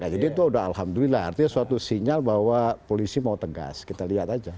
jadi itu sudah alhamdulillah artinya suatu sinyal bahwa polisi mau tegas kita lihat aja